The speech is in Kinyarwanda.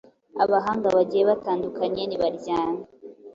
Abahanga bagiye batandukanye ntibaryama,